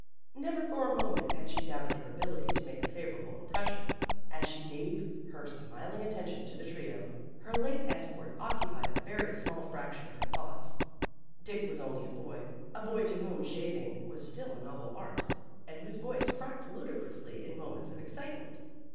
Never for a moment had she doubted her ability to make a favorable impression. As she gave her smiling attention to the trio, her late escort oc cupied a very small fraction of her thoughts. Dick was only a boy, a boy to whom shaving was still a novel art, and whose voice cracked ludicrously in moments of excitement.